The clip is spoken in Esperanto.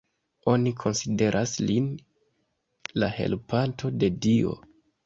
Oni konsideras lin la helpanto de Dio.